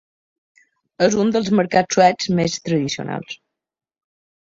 És un dels mercats suecs més tradicionals.